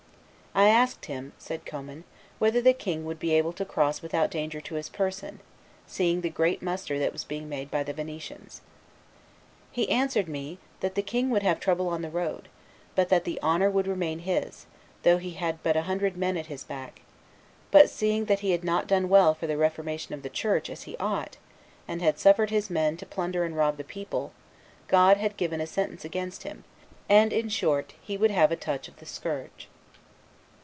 "I asked him," said Commynes, "whether the king would be able to cross without danger to his person, seeing the great muster that was being made by the Venetians. He answered me that the king would have trouble on the road, but that the honor would remain his, though he had but a hundred men at his back; but, seeing that he had not done well for the reformation of the Church, as he ought, and had suffered his men to plunder and rob the people, God had given sentence against him, and in short he would have a touch of the scourge."